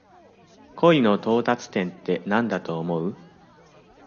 恋の到達点ってなんだと思う？